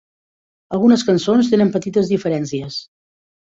Algunes cançons tenen petites diferències.